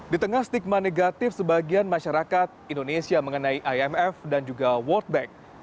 di tengah stigma negatif sebagian masyarakat indonesia mengenai imf dan juga world bank